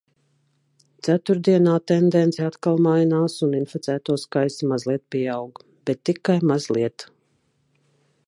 Ceturtdienā tendence atkal mainās un inficēto skaits mazliet pieaug. Bet tikai mazliet.